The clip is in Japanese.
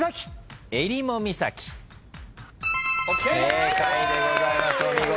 正解でございますお見事。